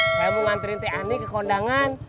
saya mau nganterin teh ani ke kondangan